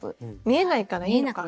見えないからいいのか。